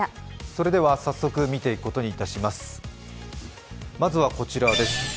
それでは早速、見ていくことにいたします。